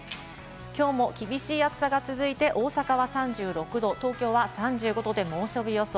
きょうも厳しい暑さが続いて、大阪は３６度、東京は３５度で猛暑日予想。